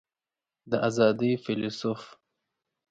د آزادۍ فیلیسوف